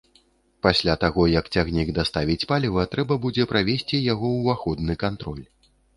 Пасля таго як цягнік даставіць паліва, трэба будзе правесці яго ўваходны кантроль.